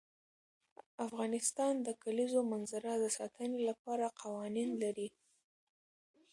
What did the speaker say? افغانستان د د کلیزو منظره د ساتنې لپاره قوانین لري.